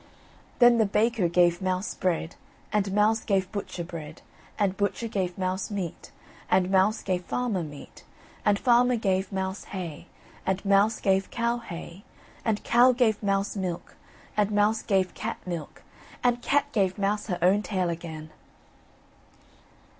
Then the baker gave mouse bread, and mouse gave butcher bread, and butcher gave mouse meat, and mouse gave farmer meat, and farmer gave mouse hay, and mouse gave cow hay, and cow gave mouse milk, and mouse gave cat milk, and cat gave mouse her own tail again!